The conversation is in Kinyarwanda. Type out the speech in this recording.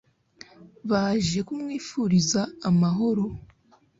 baje kumwifuriza amahoro